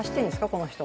この人？